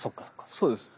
そうです。